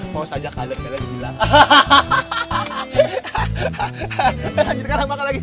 mau saja kalian belalang